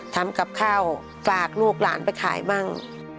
ทำกับข้าวฝากลูกหลานไปขายบ้าง